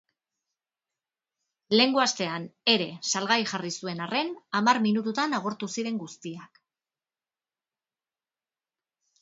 Lehengo astean ere salgai jarri zuen arren, hamar minututan agortu ziren guztiak.